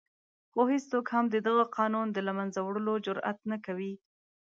خو هېڅوک هم د دغه قانون د له منځه وړلو جرآت نه کوي.